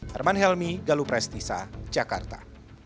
herman helmy galuh prestisa jakarta